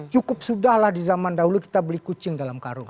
cukup sudah lah di zaman dahulu kita beli kucing dalam karung